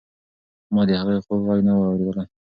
ما د هغې خوږ غږ نه و اورېدلی.